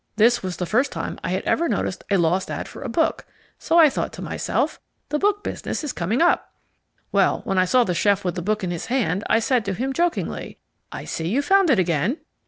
This was the first time I had ever noticed a LOST ad for a book, so I thought to myself "the book business is coming up." Well, when I saw the chef with the book in his hand, I said to him jokingly, "I see you found it again."